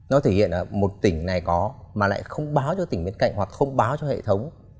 nó thể hiện ở một tỉnh này có mà lại không báo cho tỉnh bên cạnh hoặc không báo cho hệ thống